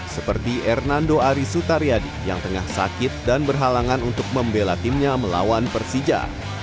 seperti hernando ari sutariadi yang tengah sakit dan berhalangan untuk membela timnya melawan persija